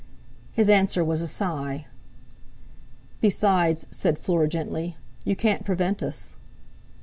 His answer was a sigh. "Besides," said Fleur gently, "you can't prevent us."